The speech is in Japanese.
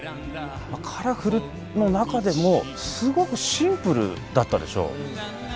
カラフルの中でもすごくシンプルだったでしょう。